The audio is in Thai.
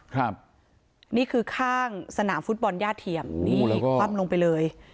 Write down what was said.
ครับนี่คือข้างสนามฟุตบอลย่าเทียมนี่คว่ำลงไปเลย